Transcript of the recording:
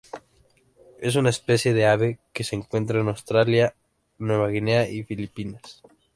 Es una especie de ave que se encuentra en Australia, Nueva Guinea y Filipinas.